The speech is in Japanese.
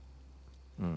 うん。